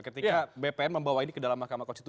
ketika bpn membawa ini ke dalam mahkamah konstitusi